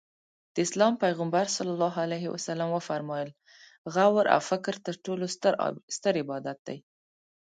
د اسلام پیغمبر ص وفرمایل غور او فکر تر ټولو ستر عبادت دی.